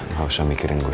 gak usah mikirin gue